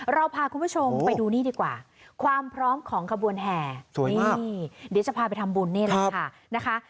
เราพาคุณผู้ชมไปดูนี่ดีกว่าความพร้อมของขบวนแห่นี่เดี๋ยวจะพาไปทำบุญนี่แหละค่ะนะคะ